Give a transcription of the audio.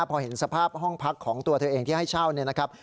พอเห็นสภาพห้องพักของตัวเธอเองที่ให้เช่าเนี่ยนะครับ